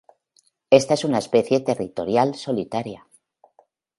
Esta es una especie territorial solitaria.